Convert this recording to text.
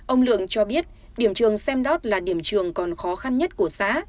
ông lượng cho biết điểm trường semdot là điểm trường còn khó khăn nhất của xã